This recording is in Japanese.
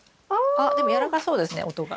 あっでも軟らかそうですね音が。